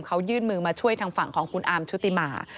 เขายื่นมือมาช่วยทางฝั่งของคุณอาร์มชุติมา